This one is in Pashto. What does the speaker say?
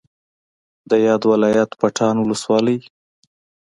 د یاد ولایت پټان ولسوالۍ